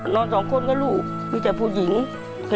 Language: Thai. นอนสองคนแล้วแล้วลูก